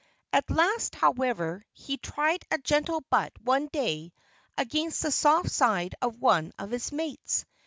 At last, however, he tried a gentle butt one day against the soft side of one of his mates.